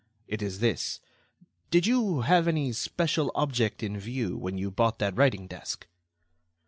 It is this: Did you have any special object in view when you bought that writing desk?"